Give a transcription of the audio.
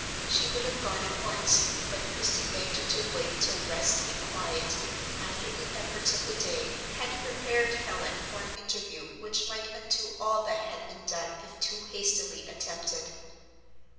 She would have gone at once, but Christie begged her to wait till rest and quiet, after the efforts of the day, had prepared Helen for an interview which might undo all that had been done if too hastily attempted.